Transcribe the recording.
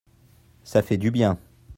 ça fait du bien.